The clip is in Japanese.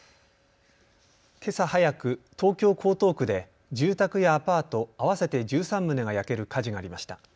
けさ早く、東京江東区で住宅やアパート合わせて１３棟が焼ける火事がありました。